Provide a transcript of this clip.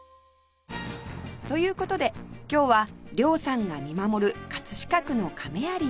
という事で今日は両さんが見守る飾区の亀有へ